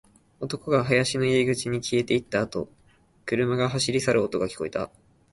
男が林の入り口に消えていったあと、車が走り去る音が聞こえた